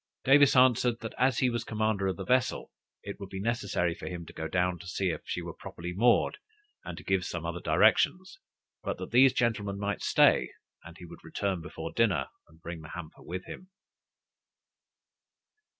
Davis answered, that as he was commander of the vessel, it would be necessary for him to go down to see if she were properly moored, and to give some other directions; but that these gentlemen might stay, and he would return before dinner, and bring the hamper with him.